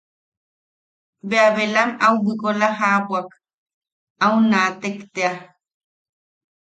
Bea belam au bwikola jabwak au naatek tea.